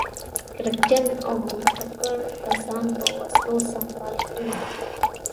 کرکجن او منفور کسان په وسلو سمبال کړي.